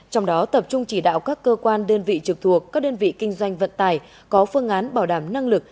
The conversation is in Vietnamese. trong đó tập trung chỉ đạo các cơ quan đơn vị trực thuộc các đơn vị kinh doanh vận tải có phương án bảo đảm năng lực